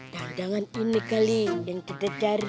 jangan jangan ini kali yang kita cari